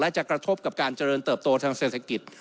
และจะกระทบกับการเจริญเติบโตทางเศรษฐกิจ